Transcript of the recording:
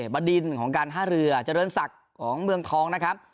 บดินของการท่าเรือเจริญศักดิ์ของเมืองทองนะครับ